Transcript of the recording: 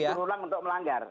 berpikir ulang untuk melanggar